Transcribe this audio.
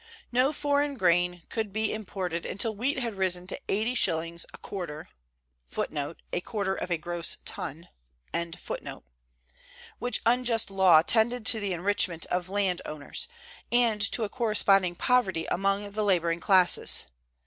No foreign grain could be imported until wheat had arisen to eighty shillings a "quarter," which unjust law tended to the enrichment of land owners, and to a corresponding poverty among the laboring classes.